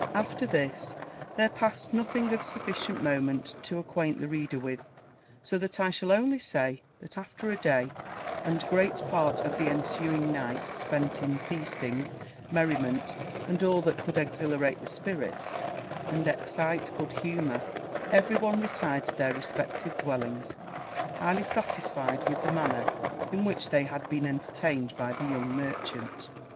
After this, there passed nothing of sufficient moment to acquaint the reader with; so that I shall only say, that, after a day, and great part of the ensuing night, spent in feasting, merriment and all that could exhilarate the spirits and excite good humour, every one retired to their respective dwellings, highly satisfied with the manner in which they had been entertained by the younger merchant.